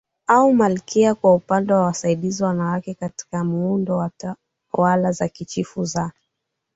au Malkia Kwa upande wa wasaidizi wanawake katika muundo wa tawala za Kichifu za